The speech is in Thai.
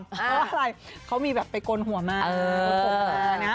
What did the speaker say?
เพราะว่าอะไรเขามีแบบไปโกนหัวมาก